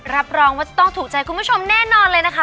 รับรองว่าจะต้องถูกใจคุณผู้ชมแน่นอนเลยนะคะ